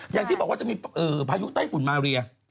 อย่างที่บอกว่าจะมีพายุไต้ฝุ่นมาเรีย